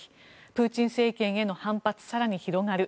プーチン政権への反発更に広がる。